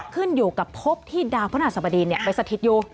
ขึ้นอยู่กับพบที่ดาวพระนาศบดีนเนี่ยไปสถิตย์อยู่